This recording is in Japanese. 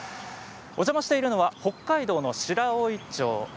お邪魔しているのは北海道の白老町。